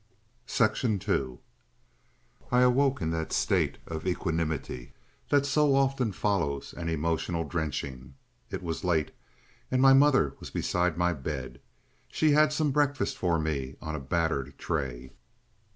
§ 2 I awoke in that state of equanimity that so often follows an emotional drenching. It was late, and my mother was beside my bed. She had some breakfast for me on a battered tray.